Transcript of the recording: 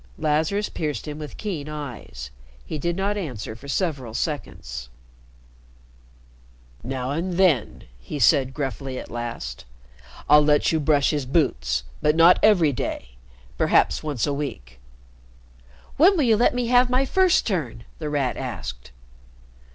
Lazarus pierced him with keen eyes. He did not answer for several seconds. "Now and then," he said gruffly at last, "I'll let you brush his boots. But not every day perhaps once a week." "When will you let me have my first turn?" The Rat asked.